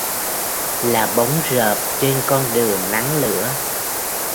Là bóng rợp trên con đường nắng lửa